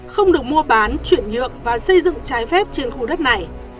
không được mua bán chuyển nhượng và xây dựng trái phép trên khu đất này